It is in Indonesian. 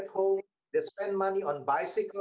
terima kasih banyak banyak